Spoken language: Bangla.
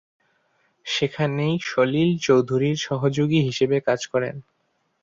সেখানেই সলিল চৌধুরীর সহযোগী হিসেবে কাজ করেন।